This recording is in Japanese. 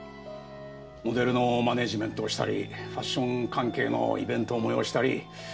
モデルのマネージメントをしたりファッション関係のイベントを催したり。